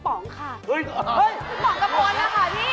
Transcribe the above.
ป๋องกะโพญแล้วค่ะพี่